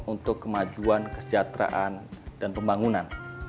untuk kemajuan kesejahteraan dan pembangunan